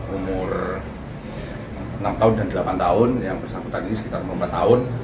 umur enam tahun dan delapan tahun yang bersangkutan ini sekitar dua belas tahun